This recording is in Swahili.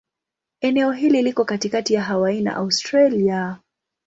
Eneo hili liko katikati ya Hawaii na Australia.